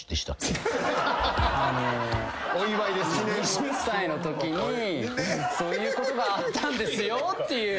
あの２０歳のときにそういうことがあったんですよっていう。